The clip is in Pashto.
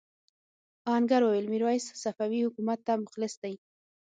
آهنګر وویل میرويس صفوي حکومت ته مخلص دی.